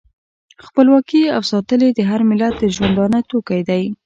خپلواکي او ساتل یې د هر ملت د ژوندانه توکی دی.